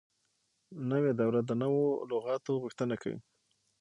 نوې دوره د نوو لغاتو غوښتنه کوي.